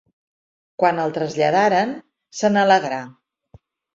Quan el traslladaren se n'alegrà.